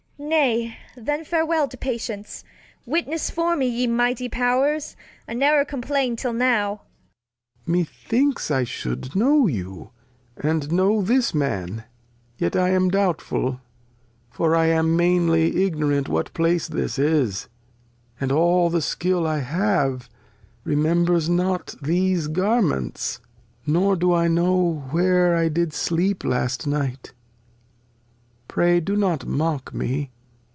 Nay, then farewel to Patience : Witness for me Ye mighty Pow'rs, I ne're complain'd 'till now ! Lear. Methinks I shou'd know you, and know this Man, Yet I am doubtfuU, for I am mainly ignorant What Place this is, and aU the SkiU I have Remembers not these Garments ; nor do I know Where I did sleep last Night. Pray do not mock me.